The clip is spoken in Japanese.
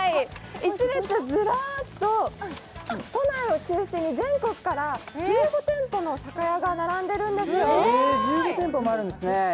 １列ずらっと都内を中心に全国から１５店舗の酒屋が並んでるんですよ。